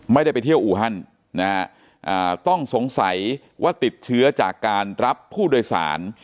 ไม่ได้ไปเที่ยวอูฮันนะฮะต้องสงสัยว่าติดเชื้อจากการรับผู้โดยสาร